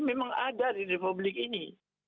memang ada di republik ini